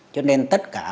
cho nên tất cả